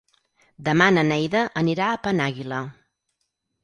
Demà na Neida anirà a Penàguila.